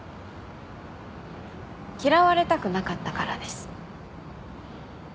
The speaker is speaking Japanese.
嫌われたくなかったからです。